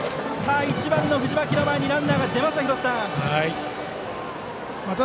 １番の藤巻の前にランナーが出ました。